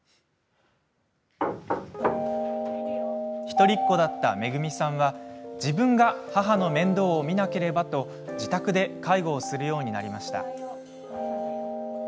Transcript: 一人っ子だっためぐみさんは自分が母の面倒を見なければと自宅で介護をするようになりました。